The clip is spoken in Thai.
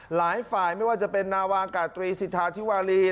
หลายฝ่ายไม่ว่าจะเป็นนาวากาตรีสิทธาธิวารี